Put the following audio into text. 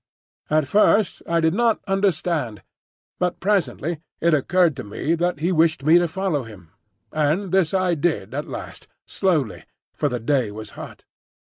At first I did not understand, but presently it occurred to me that he wished me to follow him; and this I did at last,—slowly, for the day was hot.